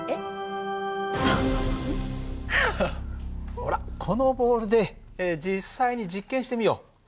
ほらこのボールで実際に実験してみよう。